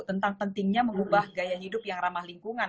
tentang pentingnya mengubah gaya hidup yang ramah lingkungan